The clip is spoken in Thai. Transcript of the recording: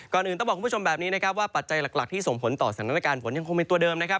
อื่นต้องบอกคุณผู้ชมแบบนี้นะครับว่าปัจจัยหลักที่ส่งผลต่อสถานการณ์ฝนยังคงเป็นตัวเดิมนะครับ